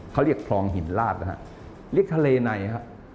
เขาเรียกคลองหินลาดนะฮะเรียกทะเลในฮะ